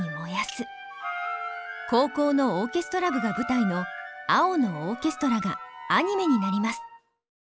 高校のオーケストラ部が舞台の「青のオーケストラ」がアニメになります。